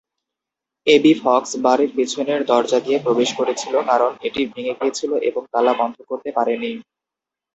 AB Fox বাড়ির পিছনের দরজা দিয়ে প্রবেশ করেছিল কারণ এটি ভেঙে গিয়েছিল এবং তালা বন্ধ করতে পারেনি।